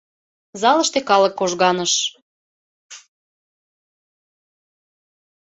Залыште калык кожганыш.